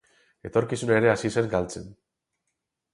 Etorkizuna ere hasi zen galtzen.